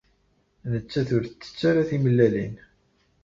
Nettat ur tettett ara timellalin.